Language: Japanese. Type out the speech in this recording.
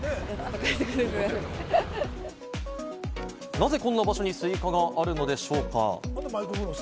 なぜ、こんな場所にスイカがあるのでしょうか？